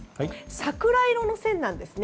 桜色の線なんです。